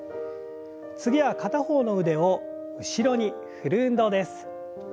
次は片方の腕を後ろに振る運動です。